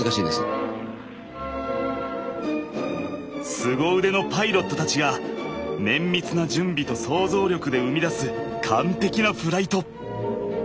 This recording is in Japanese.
すご腕のパイロットたちが綿密な準備と想像力で生み出す完璧なフライト。